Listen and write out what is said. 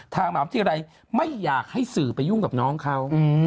มหาวิทยาลัยไม่อยากให้สื่อไปยุ่งกับน้องเขา